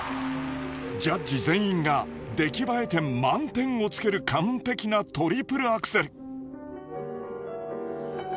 ジャッジ全員が出来栄え点満点をつける完璧なトリプルアクセル。